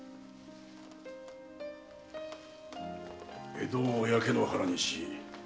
江戸を焼け野原にし罪